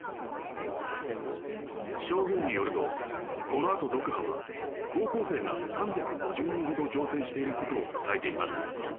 証言によるとこのあとドクハは高校生が３５０人ほど乗船していることを伝えています。